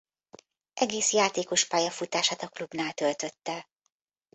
Egész játékos-pályafutását a klubnál töltötte.